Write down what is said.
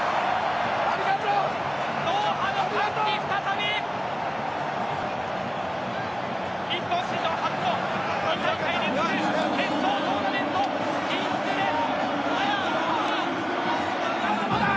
ドーハの歓喜、再び。日本史上初の２大会連続決勝トーナメント出場です。